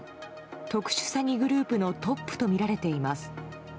特殊詐欺グループのトップとみられています。